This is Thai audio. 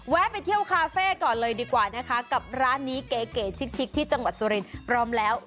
ไปเที่ยวคาเฟ่ก่อนเลยดีกว่านะคะกับร้านนี้เก๋ชิกที่จังหวัดสุรินทร์พร้อมแล้ว